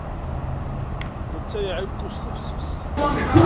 Netta iɛeyyu s tefses.